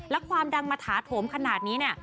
แล้วความดังมาถาโถมขนาดนี้เนี่ย